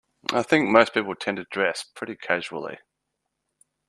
I think most people tend to dress pretty casually.